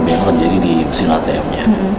yang terjadi di mesin atm nya